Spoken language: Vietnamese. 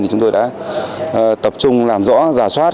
thì chúng tôi đã tập trung làm rõ giả soát